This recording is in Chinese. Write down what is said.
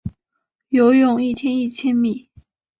游泳一天一千米